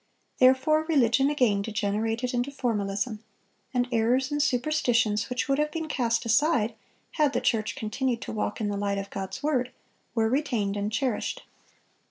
Therefore religion again degenerated into formalism; and errors and superstitions which would have been cast aside had the church continued to walk in the light of God's word, were retained and cherished.